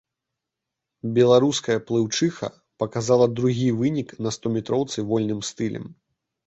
Беларуская плыўчыха паказала другі вынік на стометроўцы вольным стылем.